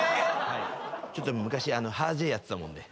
ちょっと昔ハージェイやってたもんで。